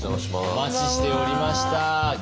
お待ちしておりました。